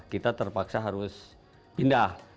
kita terpaksa harus pindah